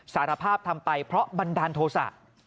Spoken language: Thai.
สารภาพทำไปเพราะบันดาลโทษะ